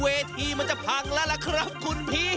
เวที่มันจะพังละนะครับคุณพี่